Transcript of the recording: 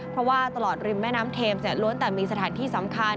เพราะว่าตลอดริมแม่น้ำเทมจะล้วนแต่มีสถานที่สำคัญ